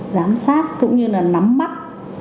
giám sát cũng như là nắm mắt